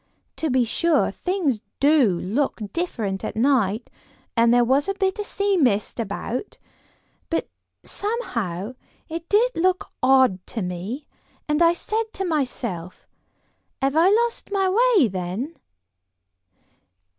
To be sure, things do look different at night, and there was a bit of sea mist about, but somehow it did look odd to me, and I said to myself, 'have I lost my way, then?